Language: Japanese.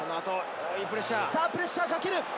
プレッシャーをかける！